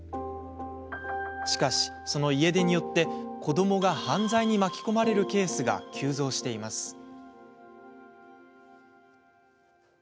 しかし、その家出によって子どもが犯罪に巻き込まれるケースが急増しています。